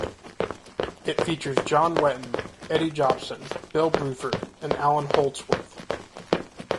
It features John Wetton, Eddie Jobson, Bill Bruford, and Allan Holdsworth.